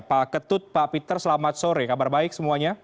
pak ketut pak peter selamat sore kabar baik semuanya